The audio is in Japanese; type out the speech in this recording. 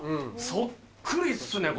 そっくりっすね！